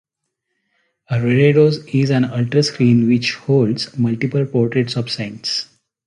A reredos is an altar screen which holds multiple portraits of saints.